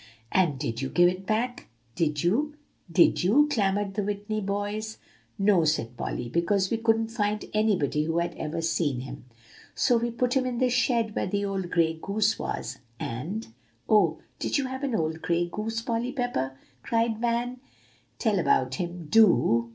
"And did you give it back? did you? did you?" clamored the Whitney boys. "No," said Polly, "because we couldn't find anybody who had ever seen him; so we put him in the shed where the old gray goose was, and" "Oh! did you have an old gray goose, Polly Pepper?" cried Van. "Tell about him, do."